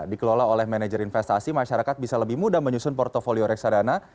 dikelola oleh manajer investasi masyarakat bisa lebih mudah menyusun portfolio reksadana